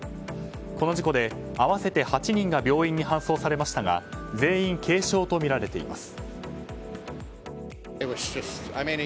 この事故で合わせて８人が病院に搬送されましたが全員、軽傷とみられています。